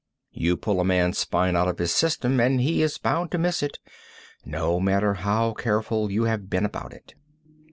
You pull a man's spine out of his system and he is bound to miss it, no matter how careful you have been about it.